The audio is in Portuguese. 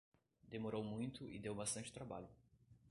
Demorou muito e deu bastante trabalho.